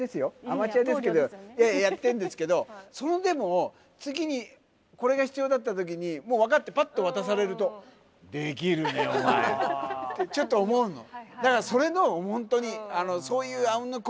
アマチュアですけどやってんですけどそれでも次にこれが必要だった時にもう分かってぱっと渡されるとちょっと思うの。